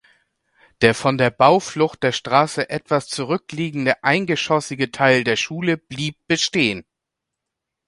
Der von der Bauflucht der Straße etwas zurückliegende eingeschossige Teil der Schule blieb bestehen.